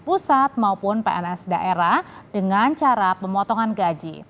pusat maupun pns daerah dengan cara pemotongan gaji